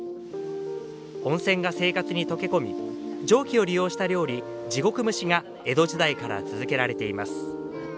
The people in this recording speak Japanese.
温泉が生活に溶け込み蒸気を利用した料理地獄蒸しが江戸時代から続けられています。